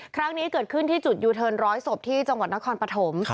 ครั้งนี้เกิดขึ้นที่จุดยูเทิร์นร้อยศพที่จังหวัดนครปฐม